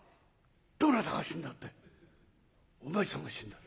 「どなたが死んだってお前さんが死んだんだ」。